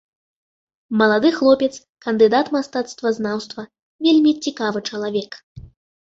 Малады хлопец, кандыдат мастацтвазнаўства, вельмі цікавы чалавек.